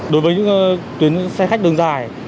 đối với những tuyến xe khách đường dài